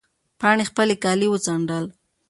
پاڼې خپل کالي وڅنډل.